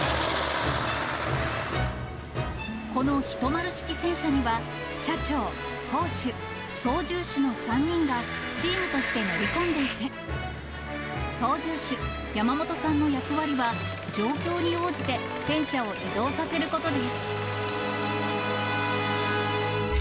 この１０式戦車には車長、砲手、操縦手の３人がチームとして乗り込んでいて、操縦手、山本さんの役割は状況に応じて戦車を移動させることです。